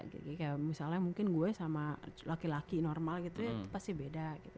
kayak misalnya mungkin gue sama laki laki normal gitu ya pasti beda gitu